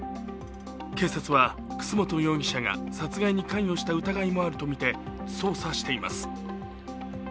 警察は楠本容疑者が殺害に関与した疑いもあるとみて捜査しています。